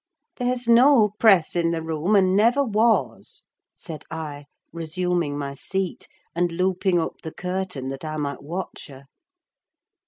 "There's no press in the room, and never was," said I, resuming my seat, and looping up the curtain that I might watch her.